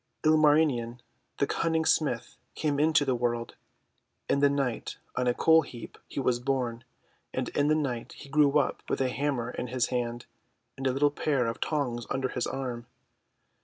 Ilmarinen the Cunning Smith came into the world. In the night, on a coal heap, was he born, and in the night he grew up with a hammer in his hand and a little pair of tongs under his arm.